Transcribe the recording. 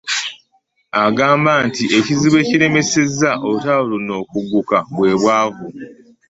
Agamba nti ekizibu ekiremesezza olutalo luno okugguka bwe bwavu